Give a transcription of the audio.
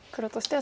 は